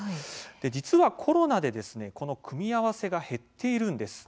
実は、コロナでこの組み合わせが減っているんです。